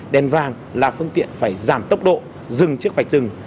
đèn vàng là phương tiện phải giảm tốc độ dừng chiếc vạch dừng